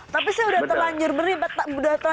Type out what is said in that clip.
tapi saya sudah terlanjur beli yaudahlah